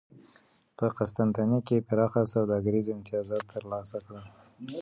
په قسطنطنیه کې یې پراخ سوداګریز امتیازات ترلاسه کړل